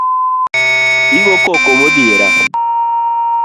Igokoko modhiera